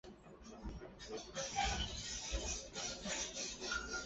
本列表列出了哥斯达黎加的活火山与死火山。